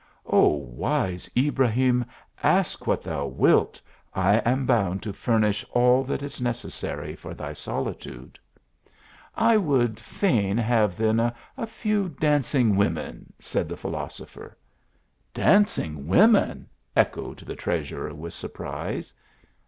" Oh ! wise Ibrahim, ask what thou wilt ; I am bound to furnish all that is necessary for thy soli tude." " I would fain have then a .few dancing women," said the philosopher. " Dancing women !" echoed the treasurer with surprise.